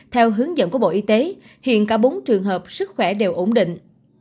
theo hướng dẫn của bộ y tế hiện cả bốn trường hợp sức khỏe đều ổn định